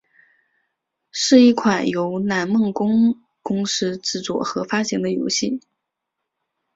是一款由南梦宫公司制作和发行的游戏。